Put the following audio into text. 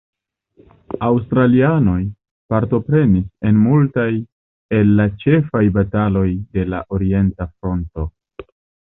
Aŭstralianoj partoprenis en multaj el la ĉefaj bataloj de la Okcidenta Fronto.